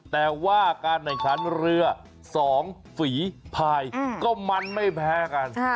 แต่ว่าการแข่งขันเรือ๒ฝีภายก็มันไม่แพ้กัน